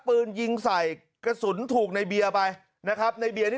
ปืนยิงใส่กระสุนถูกในเบียร์ไปนะครับในเบียร์นี่